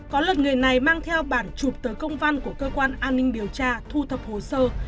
có lượt người này mang theo bản chụp tới công văn của cơ quan an ninh điều tra thu thập hồ sơ